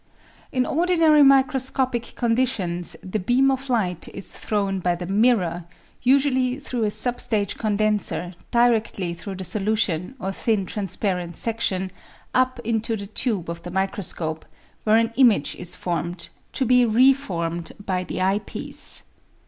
In ordinary microscopic conditions the beam of light is thrown by the mirror, usuaUy through a sub stage condenser, directly through the solution or thin transparent section, up into the tube of the microscope, where an image is formed, to be re formed by the eyepiece.